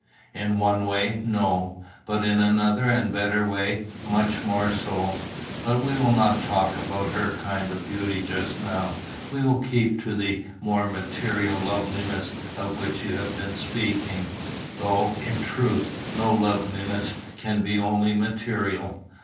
"In one way, no; but in another and better way, much more so. But we will not talk about her kind of beauty just now; we will keep to the more material loveliness of which you have been speaking though, in truth, no loveliness can be only material.